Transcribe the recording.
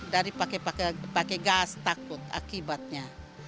dari pakai gas takut akibatnya